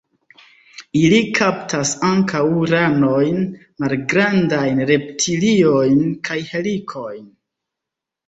Ili kaptas ankaŭ ranojn, malgrandajn reptiliojn kaj helikojn.